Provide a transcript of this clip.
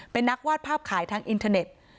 เป็นนักวาดภาพขายทางอินเทอร์เน็ต